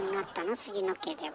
杉野家では。